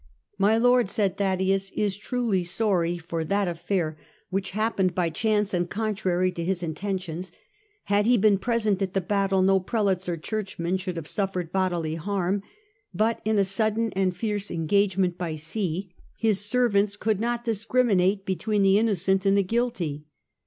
" My Lord," said Thaddaeus, " is truly sorry for that 232 STUPOR MUNDI affair, which happened by chance and contrary to his intentions ; had he been present at the battle no Pre lates or Churchmen should have suffered bodily harm, but in a sudden and fierce engagement by sea his servants could not discriminate between the innocent and the guilty."